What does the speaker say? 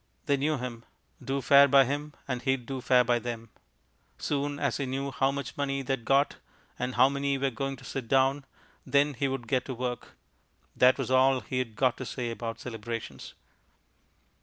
They knew him. Do fair by him and he'd do fair by them. Soon as he knew how much money they'd got, and how many were going to sit down, then he could get to work. That was all he'd got to say about celebrations.